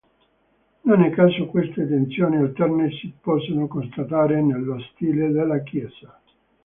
Non a caso queste tensioni alterne si possono constatare nello stile della chiesa.